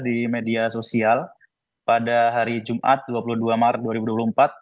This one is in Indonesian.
di media sosial pada hari jumat dua puluh dua maret dua ribu dua puluh empat